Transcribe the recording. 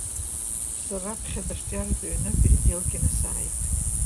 Сара раԥхьаӡа арҿиаратә Ҩны Переделкино сааит.